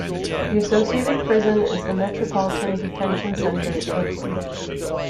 The associated prison is the Metropolitan Detention Center, Brooklyn.